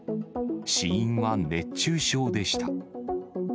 死因は熱中症でした。